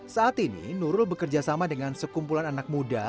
saat ini nurul bekerjasama dengan sekumpulan anak muda